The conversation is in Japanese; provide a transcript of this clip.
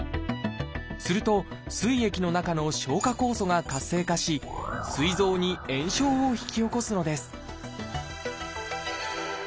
するとすい液の中の消化酵素が活性化しすい臓に炎症を引き起こすのです